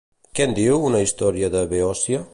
Què en diu una història de Beòcia?